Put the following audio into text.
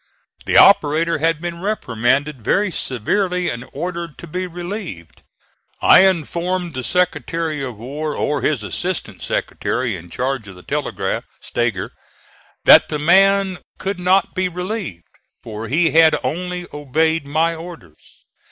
The operator had been reprimanded very severely and ordered to be relieved. I informed the Secretary of War, or his assistant secretary in charge of the telegraph, Stager, that the man could not be relieved, for he had only obeyed my orders.